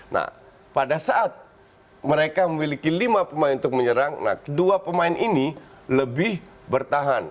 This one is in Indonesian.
nah pada saat mereka memiliki lima pemain untuk menyerang dua pemain ini lebih bertahan